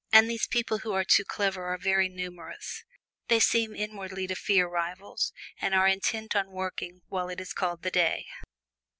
And these people who are too clever are very numerous; they seem inwardly to fear rivals, and are intent on working while it is called the day.